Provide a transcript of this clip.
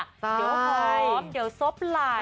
เดี๋ยวหอมเดี๋ยวซบไหล